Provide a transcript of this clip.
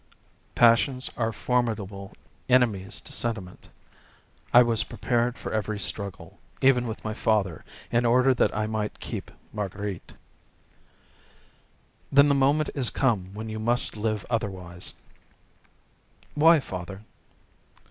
Passions are formidable enemies to sentiment. I was prepared for every struggle, even with my father, in order that I might keep Marguerite. "Then, the moment is come when you must live otherwise." "Why, father?"